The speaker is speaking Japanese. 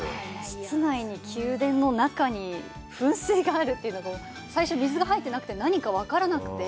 室内に宮殿の中に噴水があるというのが、最初水が入ってなくて、何か分からなくて。